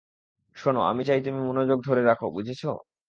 শোনো আমি চাই তুমি মনযোগ ধরে রাখো বুঝেছো?